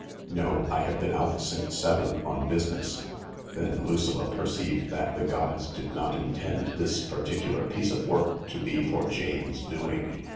" No, I have been out since seven, on business." Then Lucilla perceived that the gods did not intend this particular piece of work to be for Jane's doing.